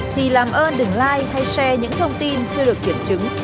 thì làm ơn đừng like hay xe những thông tin chưa được kiểm chứng